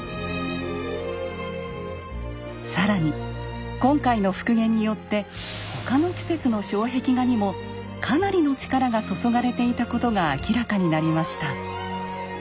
更に今回の復元によって他の季節の障壁画にもかなりの力が注がれていたことが明らかになりました。